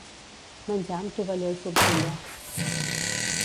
Menjar amb tovalló i forquilla.